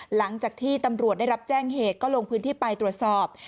หลังจากที่ตำรวจได้รับแจ้งเหตุก็ลงพื้นที่ไปตรวจสอบ